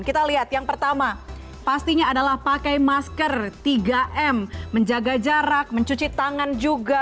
kita lihat yang pertama pastinya adalah pakai masker tiga m menjaga jarak mencuci tangan juga